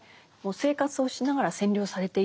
生活をしながら占領されているという。